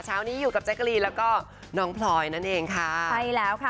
เช้านี้อยู่กับแจ๊กกะลีนแล้วก็น้องพลอยนั่นเองค่ะใช่แล้วค่ะ